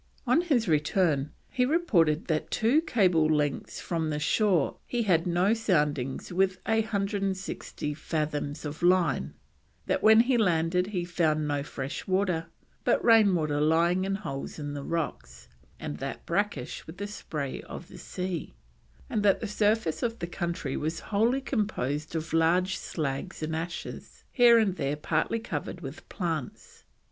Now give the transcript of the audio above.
On his return he reported that at two cable lengths from the shore he had no soundings with a 160 fathoms of line; that when he landed he found no fresh water, but rain water lying in holes in the rocks, and that brackish with the spray of the sea, and that the surface of the country was wholly composed of large slags and ashes, here and there partly covered with plants.